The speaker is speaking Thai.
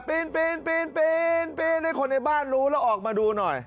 ปีนให้คนในบ้านรู้แล้วออกมาดูหน่อย